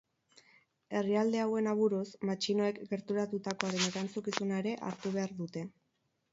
Herrialde hauen aburuz, matxinoek gertatutakoaren erantzukizuna ere hartu behar dute.